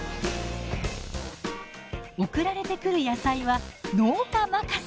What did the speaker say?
送られてくる野菜は農家任せ。